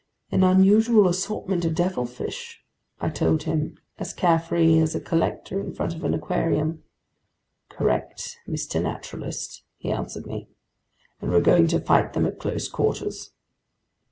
"An unusual assortment of devilfish," I told him, as carefree as a collector in front of an aquarium. "Correct, Mr. Naturalist," he answered me, "and we're going to fight them at close quarters."